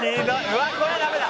うわっこれはダメだ。